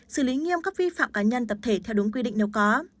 xử lý nghiêm các vi phạm cá nhân tập thể theo đúng quy định nếu có